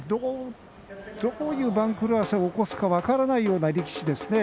どういう番狂わせを起こすか分からないような力士ですね。